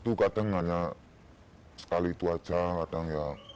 itu kadang hanya sekali itu aja kadang ya